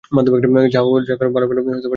পরে যাহা হউক ভালয় ভালয় সমস্ত দ্রব্য পৌঁছিয়াছে।